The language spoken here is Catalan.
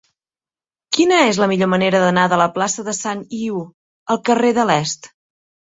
Quina és la millor manera d'anar de la plaça de Sant Iu al carrer de l'Est?